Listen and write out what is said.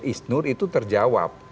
isnur itu terjawab